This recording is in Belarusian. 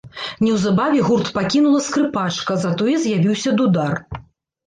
Неўзабаве гурт пакінула скрыпачка, затое з'явіўся дудар.